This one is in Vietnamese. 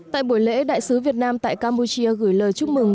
tại buổi lễ đại sứ việt nam tại campuchia gửi lời chúc mừng